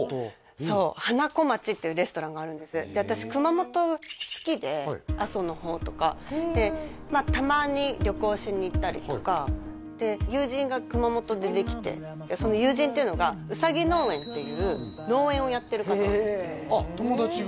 そう花小町っていうレストランがあるんですで私熊本好きで阿蘇の方とかたまに旅行しに行ったりとかで友人が熊本でできてその友人っていうのがうさぎ農園っていう農園をやってる方なんですあっ友達が？